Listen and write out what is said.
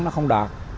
nó không đạt